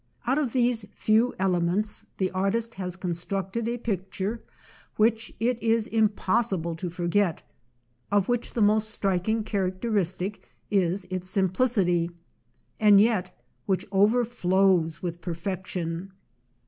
Out of these few elements the artist has constructed a picture which it is impossi ble to forget, of which the most striking characteristic is its simplicity, and yet which overflows with perfection.